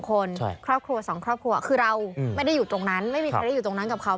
คนครอบครัว๒ครอบครัวคือเราไม่ได้อยู่ตรงนั้นไม่มีใครได้อยู่ตรงนั้นกับเขา